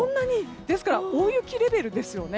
ですから大雪レベルですよね。